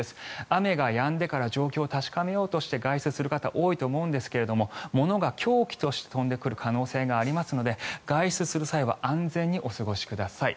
雨がやんでから状況を確認しようとして外出する方多いと思うんですが物が凶器として飛んでくる可能性がありますので外出する際は安全にお過ごしください。